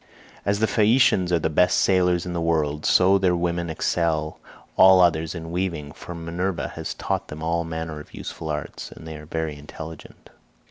As the Phaeacians are the best sailors in the world, so their women excel all others in weaving, for Minerva has taught them all manner of useful arts, and they are very intelligent.